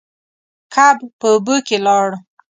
کب په اوبو کې لاړ.